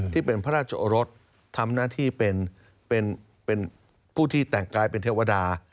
ที่เป็นพระราชโอรสทำหน้าที่เป็นผู้ที่แต่งกายเป็นเทวดา